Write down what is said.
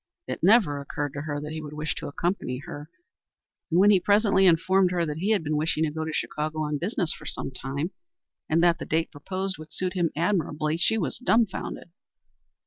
It never occurred to her that he would wish to accompany her, and when he presently informed her that he had been wishing to go to Chicago on business for some time, and that the date proposed would suit him admirably, she was dumfounded.